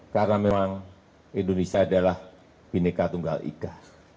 karena memang indonesia adalah bineka tunggal ika